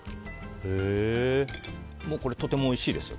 もう、とてもおいしいですよ。